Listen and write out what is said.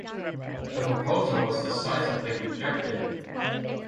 The proposal was decisively rejected.